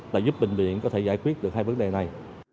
là giúp bệnh viện có thể giải quyết được hai vấn đề này